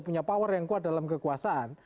punya power yang kuat dalam kekuasaan